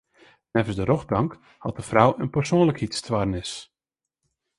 Neffens de rjochtbank hat de frou in persoanlikheidsstoarnis.